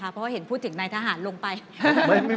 เพราะว่าเห็นพูดถึงนายทหารลงไป